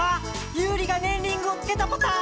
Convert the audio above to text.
ユウリがねんリングをつけたポタ！